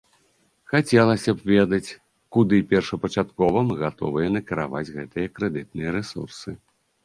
Хацелася б ведаць, куды першапачаткова мы гатовыя накіраваць гэтыя крэдытныя рэсурсы.